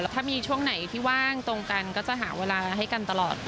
ถ้ามีช่วงไหนที่ว่างตรงกันก็จะหาเวลาให้กันตลอด